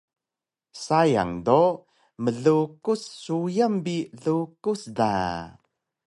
Sayang do mlukus suyang bi lukus da